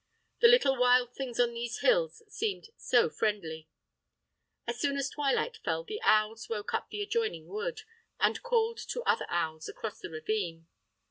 The little wild things on these hills seem so friendly. As soon as twilight fell the owls woke up the adjoining wood, and called to other owls across the ravine.